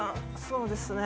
そうですね。